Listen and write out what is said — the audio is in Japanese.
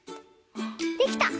できた！